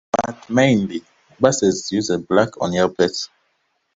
But mainly, buses uses Black on Yellow plates.